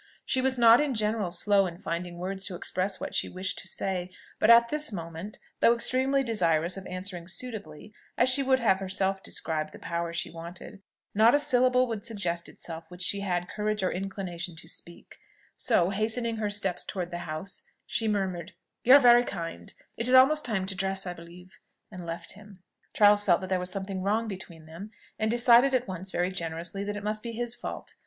She was not in general slow in finding words to express what she wished to say; but at this moment, though extremely desirous of answering suitably, as she would have herself described the power she wanted, not a syllable would suggest itself which she had courage or inclination to speak: so, hastening her steps towards the house, she murmured, "You are very kind it is almost time to dress, I believe," and left him. Charles felt that there was something wrong between them, and decided at once very generously that it must be his fault.